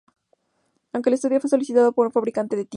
Aunque el estudio fue solicitado por un fabricante de tinta.